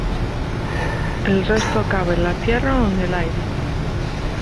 El resto acaba en la tierra o en el aire.